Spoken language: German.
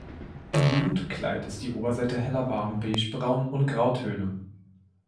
Im Jugendkleid ist die Oberseite heller warm beigebraun ohne Grautöne.